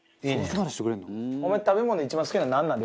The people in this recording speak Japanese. お前食べ物で一番好きなのなんなん？